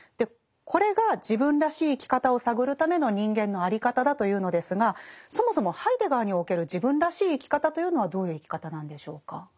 これが自分らしい生き方を探るための人間のあり方だというのですがそもそもハイデガーにおける自分らしい生き方というのはどういう生き方なんでしょうか？